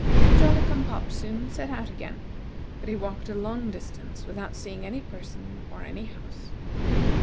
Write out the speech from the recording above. The Jolly cum pop soon set out again, but he walked a long distance without seeing any person or any house.